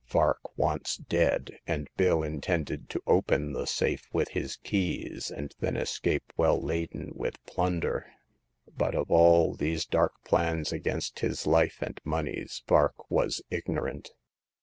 Vark once dead, and Bill intended to open the safe with his keys, and then escape well laden with plunder. But of all these dark plans against his life and moneys Vark was ignorant.